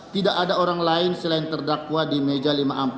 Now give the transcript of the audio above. tidak ada orang lain selain terdakwa di meja lima puluh empat